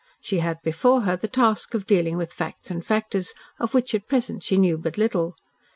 She had before her the task of dealing with facts and factors of which at present she knew but little.